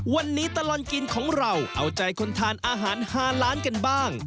วันนี้ตลอดกินของเราเอาใจคนทานอาหาร๕ล้านกันบ้าง